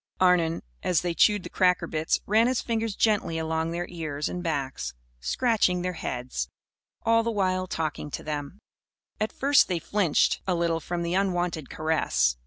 Arnon, as they chewed the cracker bits, ran his fingers gently along their ears and backs, scratching their heads; all the while talking to them. At first they flinched a little from the unwonted caress.